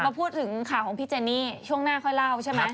มาพูดถึงข่าวของพี่เจนี่ช่วงหน้าค่อยเล่าใช่ไหม